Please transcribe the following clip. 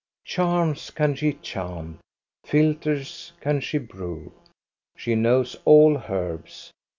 Charms can she chant, philters can she brew. She knows all herbs.